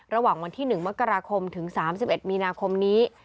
ระหว่างวันที่๑มกราคมถึง๓๑มีนาคมนี้